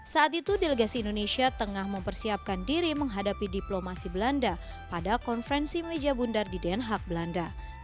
saat itu delegasi indonesia tengah mempersiapkan diri menghadapi diplomasi belanda pada konferensi meja bundar di den haag belanda